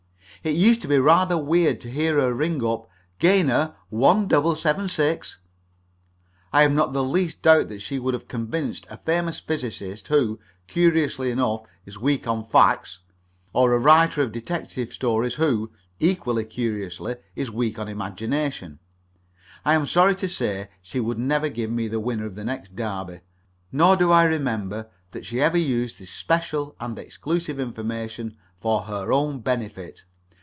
It used to be rather weird to hear her ring up "Gehenna, 1 double 7, 6." I have not the least doubt that she would have convinced a famous physicist who, curiously enough, is weak on facts, or a writer of detective stories who, equally curiously, is weak on imagination. I am sorry to say that she would never give me the winner of the next Derby, nor do I remember that she ever used this special and exclusive information for her own benefit.